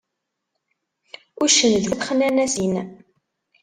Uccen d bu texnanasin.